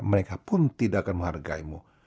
mereka pun tidak akan menghargaimu